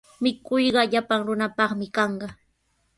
Mikuyqa llapan runapaqmi kanqa.